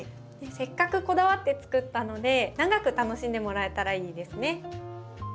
せっかくこだわって作ったので長く楽しんでもらえたらいいですね。